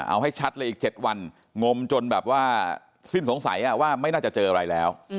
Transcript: เอาให้ชัดเลยอีก๗วันงมจนแบบว่าสิ้นสงสัยว่าไม่น่าจะเจออะไรแล้ว